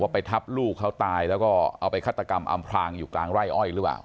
ว่าไปทับลูกเขาแล้วก็เอาไปฆัตกรรมอำพลางอยู่กลางหรือเปล่า